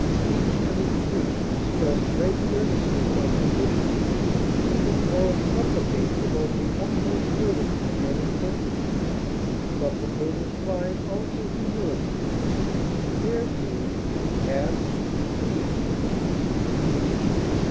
Beseech and entreat express great earnestness of petition; implore and supplicate denote the utmost fervency and intensity, supplicate implying also humility. Compare ASK; PLEAD.